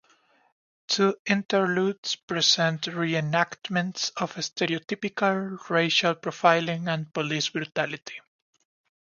Two interludes present re-enactments of stereotypical racial profiling and police brutality.